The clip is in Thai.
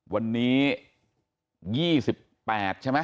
วันนี้๒๘ใช่ไหม